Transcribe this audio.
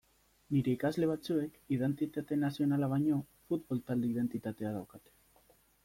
Nire ikasle batzuek identitate nazionala baino futbol-talde identitatea daukate.